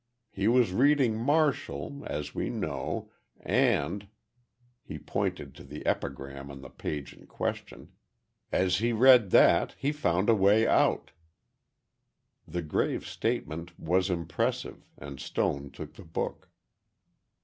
He was reading Martial, as we know, and—" he pointed to the Epigram on the page in question, "as he read that, he found a way out." The grave statement was impressive, and Stone took the book.